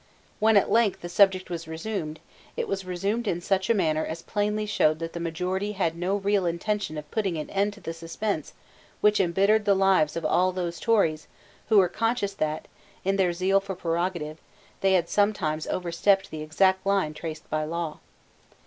When at length the subject was resumed, it was resumed in such a manner as plainly showed that the majority had no real intention of putting an end to the suspense which embittered the lives of all those Tories who were conscious that, in their zeal for prerogative, they had some times overstepped the exact line traced by law.